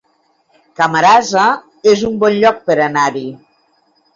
Camarasa es un bon lloc per anar-hi